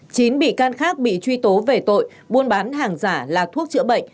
chín bị can khác bị truy tố về tội buôn bán hàng giả là thuốc chữa bệnh